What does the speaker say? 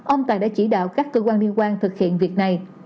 ông tài đã chỉ đạo các cơ quan liên quan thực hiện việc này